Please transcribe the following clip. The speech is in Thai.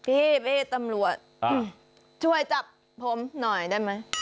เอ๊ะอ้าวเอ๊ะตำรวจช่วยจับผมหน่อยได้ไหม